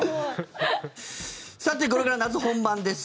さて、これから夏本番です。